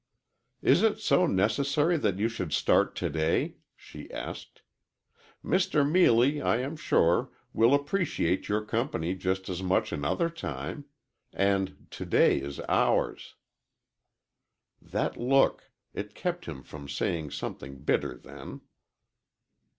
"Is it so necessary that you should start to day?" she asked. "Mr. Meelie, I am sure, will appreciate your company just as much another time. And to day is ours." That look it kept him from saying something bitter then.